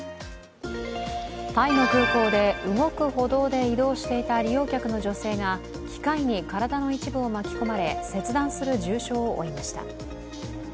タイの空港で動く歩道で移動していた利用客の女性が機械に体の一部を巻き込まれ、切断する重傷を負いました。